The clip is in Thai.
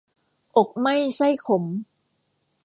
อกไหม้ไส้ขม